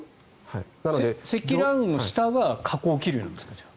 積乱雲の下は下降気流なんですか？